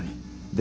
で